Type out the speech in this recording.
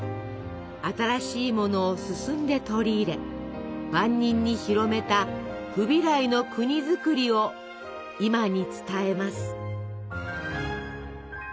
新しいものを進んで取り入れ万人に広めたフビライの国づくりを今に伝えます。